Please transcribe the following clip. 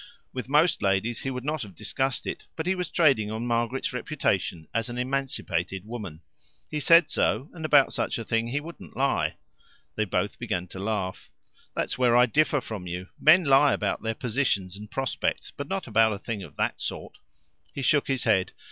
With most ladies he would not have discussed it, but he was trading on Margaret's reputation as an emanicipated woman. "He said so, and about such a thing he wouldn't lie." They both began to laugh. "That's where I differ from you. Men lie about their positions and prospects, but not about a thing of that sort." He shook his head.